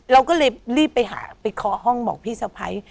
เราก็เลยรีบไปหาไปเคาะห้องบอกพี่สะพ้าย